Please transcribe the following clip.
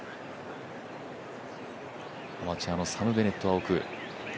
アマチュアのサム・ベネットは奥。